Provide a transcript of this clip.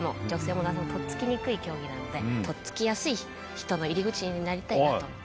女性も男性もとっつきにくい競技なのでとっつきやすい人の入り口になりたいなと思って。